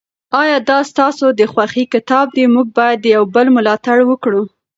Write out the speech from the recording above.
آیا دا ستاسو د خوښې کتاب دی؟ موږ باید د یو بل ملاتړ وکړو.